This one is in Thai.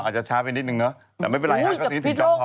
คนละดอยกันอีกนิดเดี๋ยวอีกนิดเดี๋ยวอันดอยสุเทพฯ